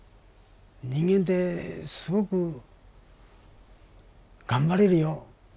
人間ってすごく頑張れるよ。